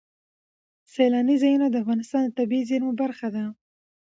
سیلانی ځایونه د افغانستان د طبیعي زیرمو برخه ده.